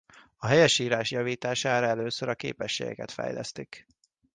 A helyesírás javítására először a képességeket fejlesztik.